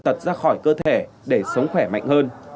tật ra khỏi cơ thể để sống khỏe mạnh hơn